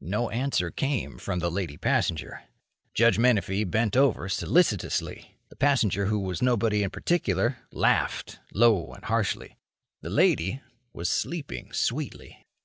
No answer came from the lady passenger. Judge Menefee bent over solicitously. The passenger who was nobody in particular laughed low and harshly. The lady was sleeping sweetly.